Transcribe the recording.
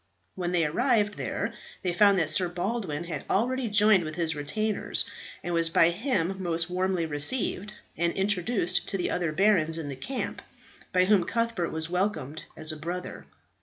When they arrived there they found that Sir Baldwin had already joined with his retainers, and was by him most warmly received, and introduced to the other barons in the camp, by whom Cuthbert was welcomed as a brother.